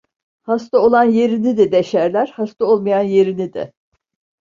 Hasta olan yerini de deşerler, hasta olmayan yerini de…